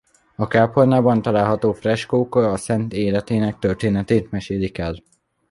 A kápolnában található freskók a szent életének történetét mesélik el.